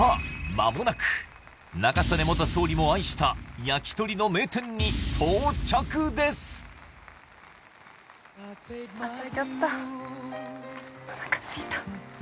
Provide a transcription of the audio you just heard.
まもなく中曽根元総理も愛した焼き鳥の名店に到着ですやった！